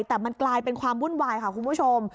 แต่มันกลายเป็นความวุ่นวายค่ะคุณผู้ชม